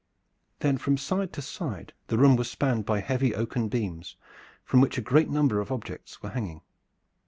Then from side to side the room was spanned by heavy oaken beams from which a great number of objects were hanging.